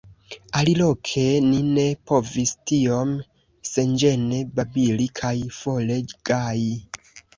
Aliloke ni ne povis tiom senĝene babili kaj fole gaji.